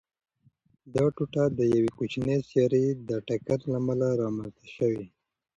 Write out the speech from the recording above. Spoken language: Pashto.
دا ټوټه د یوې کوچنۍ سیارې د ټکر له امله رامنځته شوې.